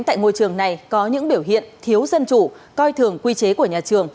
tại ngôi trường này có những biểu hiện thiếu dân chủ coi thường quy chế của nhà trường